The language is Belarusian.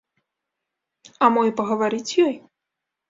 А мо і пагаварыць з ёй?